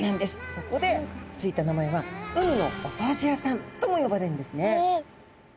そこで付いた名前は海のお掃除屋さんとも呼ばれるんですね。